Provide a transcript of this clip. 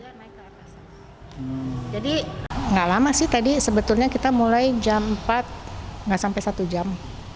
nggak lama sih tadi sebetulnya kita mulai jam empat nggak sampai satu jam